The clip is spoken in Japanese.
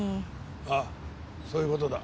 ああそういう事だ。